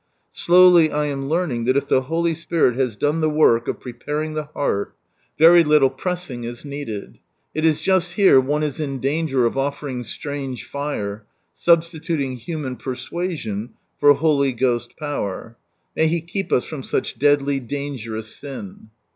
Slowly I am learning that if the Holy Spirit has done the work of preparing the heart, very little pressing is needed. It is just here one is in danger of offering strange lire — substituting human persuasion for Holy Ghost power. May He keep us from such deadly dangerous sin